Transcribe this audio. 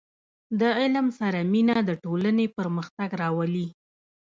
• د علم سره مینه، د ټولنې پرمختګ راولي.